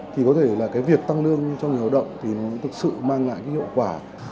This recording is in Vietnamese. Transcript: thì có thể là cái việc tăng lương cho người lao động thì nó thực sự mang lại cái hiệu quả